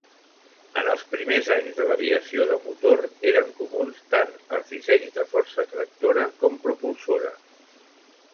En els primers anys de l'aviació de motor eren comuns tant els dissenys de força tractora com propulsora.